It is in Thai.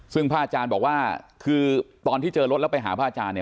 ซึ่งพระอาจารย์บอกว่าคือตอนที่เจอรถแล้วไปหาพระอาจารย์เนี่ย